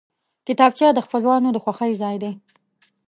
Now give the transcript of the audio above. کتابچه د خپلوانو د خوښۍ ځای دی